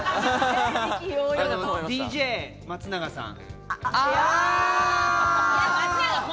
ＤＪ松永さん。